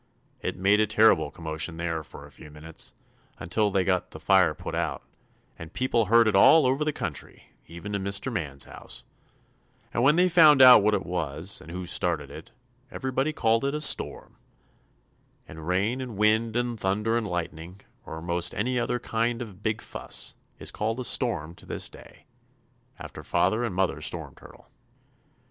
It made a terrible commotion there for a few minutes, until they got the fire put out, and people heard it all over the country, even to Mr. Man's house. And when they found out what it was, and who started it, everybody called it a 'storm.' And rain and wind and thunder and lightning, or most any other kind of a big fuss, is called a 'storm' to this day, after Father and Mother Storm Turtle."